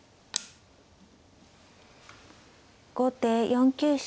後手４九飛車。